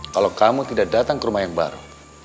kalau kamu tidak datang ke rumah yang baru